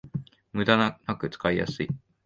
ムダがなく使いやすい